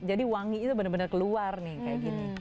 jadi wangi itu benar benar keluar nih kaya gini